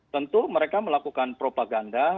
tentu mereka melakukan propaganda